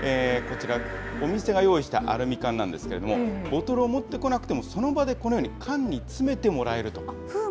こちら、お店が用意したアルミ缶なんですけれども、ボトルを持ってこなくても、その場でこのように缶に詰めてもらえると。